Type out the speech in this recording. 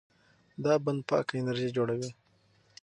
دا بند پاکه انرژي جوړوي.